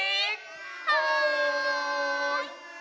はい！